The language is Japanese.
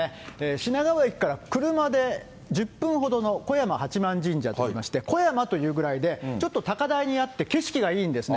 品川駅から車で１０分ほどの小山八幡神社といいまして、小山というぐらいで、ちょっと高台にあって、景色がいいんですね。